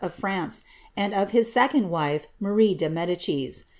of France, and of his second wife, 3Iarie de Medicis.